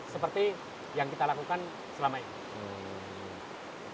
seperti yang kita lakukan selama ini